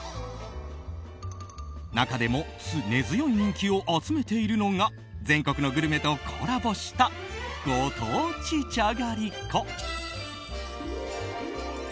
中でも根強い人気を集めているのが全国のグルメとコラボしたご当地じゃがりこ。